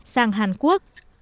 sang hàn quốc